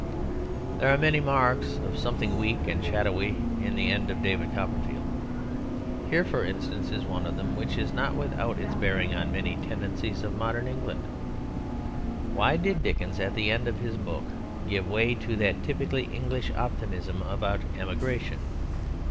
There are many marks of something weak and shadowy in the end of David Copperfield. Here, for instance, is one of them which is not without its bearing on many tendencies of modern England. Why did Dickens at the end of this book give way to that typically English optimism about emigration?